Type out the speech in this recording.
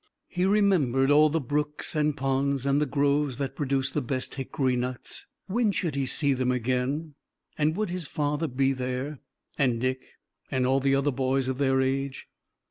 He remembered all the brooks and ponds and the groves that produced the best hickory nuts. When should he see them again and would his father be there, and Dick, and all the other boys of their age!